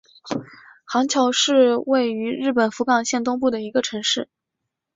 行桥市是位于日本福冈县东部的一个城市。